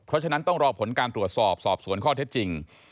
เพราะฉะนั้นต้องรอผลการตรวจสอบสอบสวนข้อเท็จจริง